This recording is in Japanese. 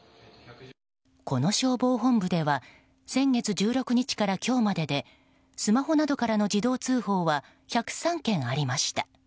この消防本部では先月１６日から今日まででスマホなどからの自動通報が１０３件ありました。